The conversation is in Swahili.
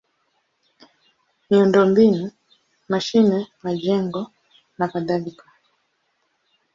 miundombinu: mashine, majengo nakadhalika.